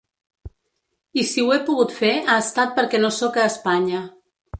I si ho he pogut fer ha estat perquè no sóc a Espanya.